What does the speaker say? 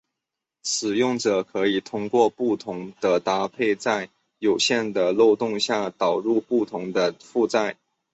使用者可以通过不同的搭配在有限的漏洞下导入不同的负载。